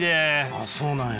あっそうなんや。